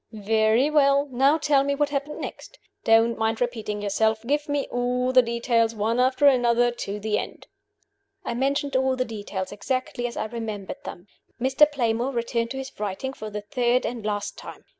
"Very well. Now tell me what happened next. Don't mind repeating yourself. Give me all the details, one after another, to the end." I mentioned all the details exactly as I remembered them. Mr. Playmore returned to his writing for the third and last time.